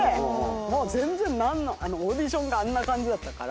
もう全然オーディションがあんな感じだったから。